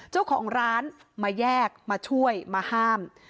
เจ้าของร้านมาแยกมาช่วยมาห้าม